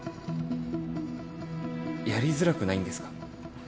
やりづらくないんですか？